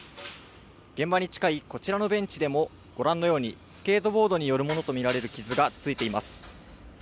現場に近いこちらのベンチでも、ご覧のように、スケートボードによるものと見られる傷がついています。